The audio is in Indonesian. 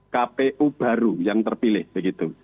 kpu baru yang terpilih begitu